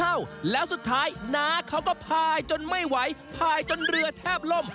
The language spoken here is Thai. อ้าวแล้วสุดท้ายน้าเขาก็พายจนไม่ไหวพายจนเรือแทบล่ม